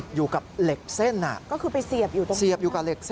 ติดอยู่กับเล็กเส้นน่ะก็คือไปเสียบอยู่ตรงนี้ครับ